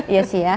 iya sih ya